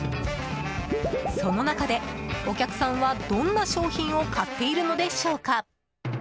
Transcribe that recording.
その中でお客さんはどんな商品を買っているのでしょうか。